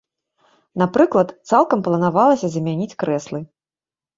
Напрыклад, цалкам планавалася замяніць крэслы.